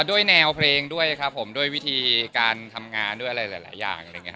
ด้วยแนวเพลงด้วยครับผมด้วยวิธีการทำงานด้วยอะไรหลายอย่าง